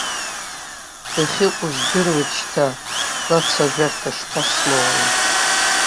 Дахьыҟоу здыруеит шьҭа, лацәажәарҭа шԥасмоури.